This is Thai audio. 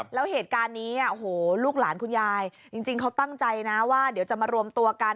แล้วเหตุการณ์นี้โอ้โหลูกหลานคุณยายจริงเขาตั้งใจนะว่าเดี๋ยวจะมารวมตัวกัน